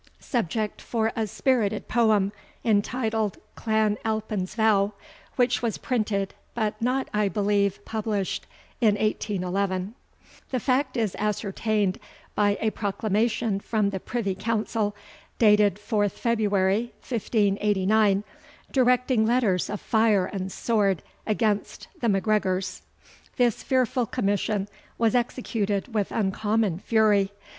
subject for a spirited poem, entitled "Clan Alpin's Vow," which was printed, but not, I believe, published, in 1811 [See Appendix No. I]. The fact is ascertained by a proclamation from the Privy Council, dated 4th February, 1589, directing letters of fire and sword against the MacGregors [See Appendix No. II]. This fearful commission was executed with uncommon fury.